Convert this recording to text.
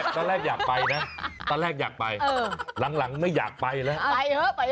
ตอนแรกอยากไปนะตอนแรกอยากไปหลังไม่อยากไปแล้วไปเถอะไป